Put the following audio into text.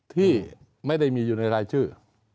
ที่ไม่ได้มีอยู่ในรายชื่อ